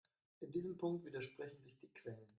In diesem Punkt widersprechen sich die Quellen.